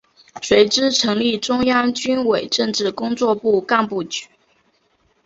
随之成立中央军委政治工作部干部局。